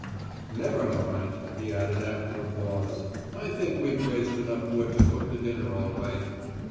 "Never mind," he added after a pause. "I think we've raised enough wood to cook the dinner all right.